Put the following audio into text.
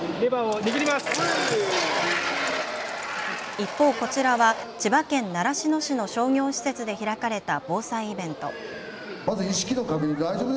一方、こちらは千葉県習志野市の商業施設で開かれた防災イベント。